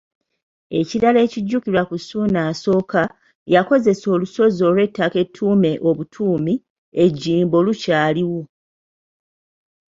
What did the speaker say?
Ekirala ekijjukirwa ku Ssuuna I, yakozesa olusozi olw'ettaka ettuume obutuumi, e Jjimbo lukyaliwo.